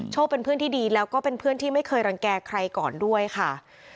เป็นเพื่อนที่ดีแล้วก็เป็นเพื่อนที่ไม่เคยรังแก่ใครก่อนด้วยค่ะ